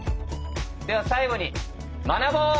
では最後に学ぼう！